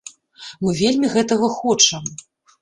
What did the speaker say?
Мы вельмі гэтага хочам.